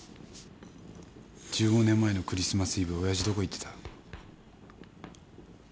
１５年前のクリスマスイブ親父どこ行ってた？